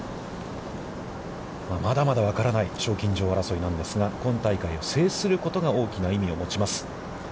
まだまだ分からない、賞金女王争いなんですが、今大会を制することが大きな意味を持ちます。